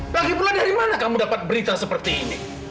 lagipula dari mana kamu dapat berita seperti ini